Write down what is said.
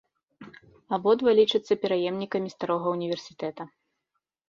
Абодва лічацца пераемнікамі старога ўніверсітэта.